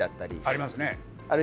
ありますね。